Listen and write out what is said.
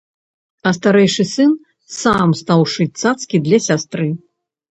А старэйшы сын сам стаў шыць цацкі для сястры.